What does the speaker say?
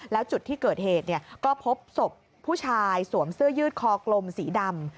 แล้วจุดที่เกิดเหตุก็พบศพผู้ชายสวมเสื้อยืดคอกลมสีดำ